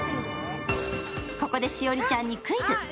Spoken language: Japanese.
ここで栞里ちゃんにクイズ。